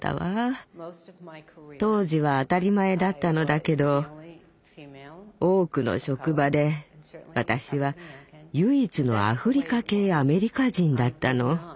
当時は当たり前だったのだけど多くの職場で私は唯一のアフリカ系アメリカ人だったの。